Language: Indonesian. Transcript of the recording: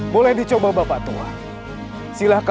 baru beberapa jurus saja